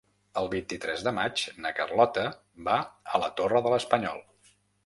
El vint-i-tres de maig na Carlota va a la Torre de l'Espanyol.